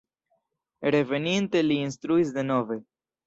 Reveninte li instruis denove.